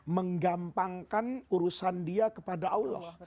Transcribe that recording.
menggampangkan urusan dia kepada allah